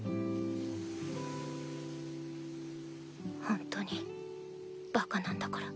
ホントにバカなんだから。